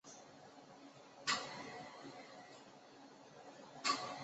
舞蹈风格通常以让人会心一笑的舞蹈动作为主。